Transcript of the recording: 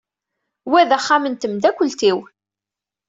Wa d axxam n temdakkelt-iw.